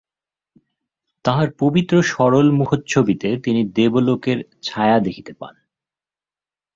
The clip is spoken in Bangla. তাহার পবিত্র সরল মুখচ্ছবিতে তিনি দেবলোকের ছায়া দেখিতে পান।